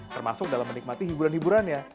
termasuk dalam menikmati hiburan hiburannya